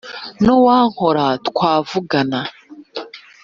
N’uwankora twavugana;